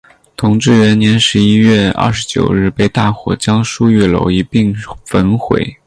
同治元年十一月二十九日被大火将书与楼一并焚毁。